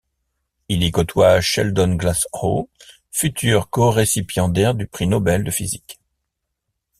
Il y côtoie Sheldon Glashow, futur corécipiendaire du prix Nobel de physique.